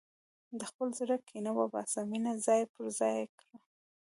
د خپل زړه کینه وباسه، مینه ځای پر ځای کړه.